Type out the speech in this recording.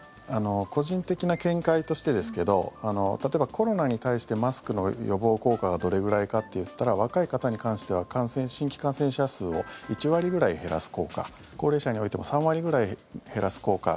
個人的な見解としてですけど例えば、コロナに対してマスクの予防効果がどれぐらいかといったら若い方に関しては新規感染者数を１割ぐらい減らす効果高齢者においても３割ぐらい減らす効果。